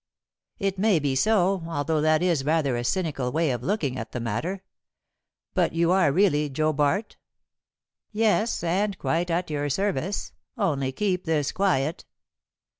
"It may be so, although that is rather a cynical way of looking at the matter. But you are really Joe Bart?" "Yes. And quite at your service. Only keep this quiet."